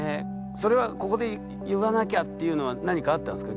それはここで言わなきゃっていうのは何かあったんですか？